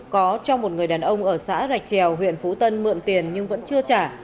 có cho một người đàn ông ở xã rạch trèo huyện phú tân mượn tiền nhưng vẫn chưa trả